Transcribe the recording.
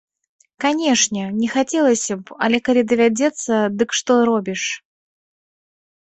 Канешне, не хацелася б, але, калі давядзецца, дык што робіш.